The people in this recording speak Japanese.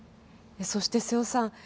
そして、瀬尾さん